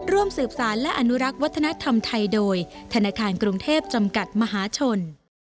ร่วมสืบสารและอนุรักษ์วัฒนธรรมไทยโดยธนาคารกรุงเทพจำกัดมหาชน